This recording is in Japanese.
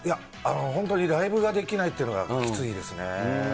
本当にライブができないっていうのがきついですね。